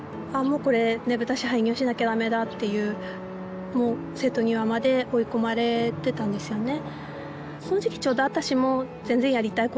もうこれねぶた師廃業しなきゃダメだっていう瀬戸際まで追い込まれてたんですよね